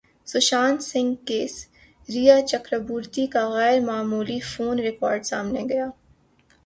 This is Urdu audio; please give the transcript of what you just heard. سشانت سنگھ کیس ریا چکربورتی کا غیر معمولی فون ریکارڈ سامنے گیا